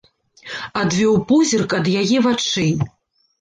Адвёў позірк ад яе вачэй.